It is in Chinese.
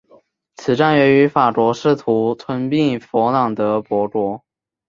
此战源于法国试图吞并弗兰德伯国。